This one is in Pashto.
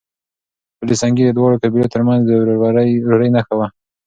پل سنګي د دواړو قبيلو ترمنځ د ورورۍ نښه وه.